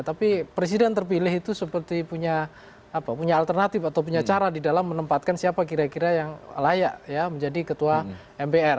tapi presiden terpilih itu seperti punya alternatif atau punya cara di dalam menempatkan siapa kira kira yang layak menjadi ketua mpr